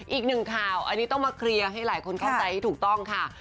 อีกหนึ่งข่าวอันนี้ต้องมาเคลียร์ให้หลายคนเข้าใจให้ถูกต้องค่ะ